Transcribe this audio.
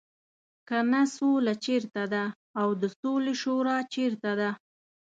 کنه سوله چېرته ده او د سولې شورا چېرته ده.